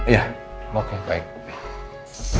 ya udah kita mau langsung